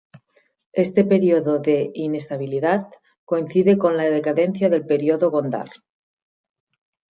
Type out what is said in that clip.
Este período de inestabilidad coincide con la decadencia del período Gondar.